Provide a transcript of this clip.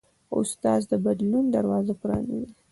استاد د بدلون دروازه پرانیزي.